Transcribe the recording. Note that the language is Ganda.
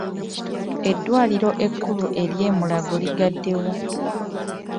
Eddwaliro ekkulu ery'e Mulago liggaddewo.